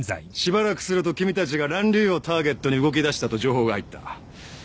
しばらくすると君たちがラン・リウをターゲットに動きだしたと情報が入った。